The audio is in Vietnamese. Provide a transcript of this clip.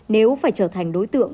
nếu phải trở thành đối tượng